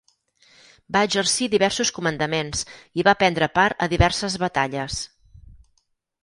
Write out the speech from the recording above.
Va exercir diversos comandaments i va prendre part a diverses batalles.